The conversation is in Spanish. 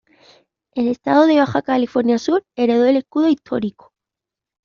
El estado de Baja California Sur heredó el escudo histórico.